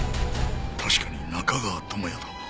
確かに中川智哉だ